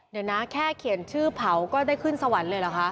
เดี๋ยวนะแค่เขียนชื่อเผาก็ได้ขึ้นสวรรค์เลยเหรอคะ